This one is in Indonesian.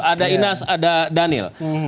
ada inas ada danil